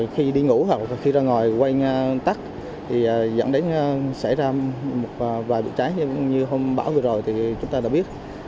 khi đi ngủ hoặc khi ra ngồi quay tắt thì dẫn đến xảy ra một vài bị cháy như hôm bão vừa rồi thì chúng ta đã biết